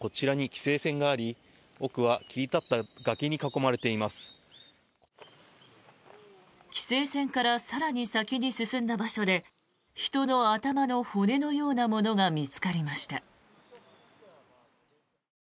規制線から更に先に進んだ場所で人の頭の骨のようなものが見つかりました。